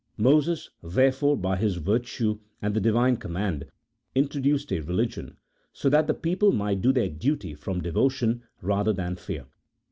Moses, therefore, by his virtue and the Divine command, introduced a religion, so that the people might do their duty from devotion rather than fear.